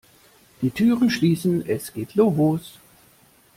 Die Türen schließen, es geht los!